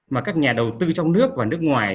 mà các nhà đầu tư trong nước và nước ngoài